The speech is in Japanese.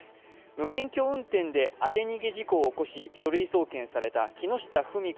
無免許運転で当て逃げ事故を起こし書類送検された木下富美子